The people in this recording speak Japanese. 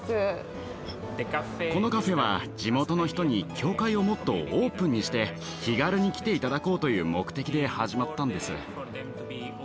このカフェは地元の人に教会をもっとオープンにして気軽に来て頂こうという目的で始まったんです。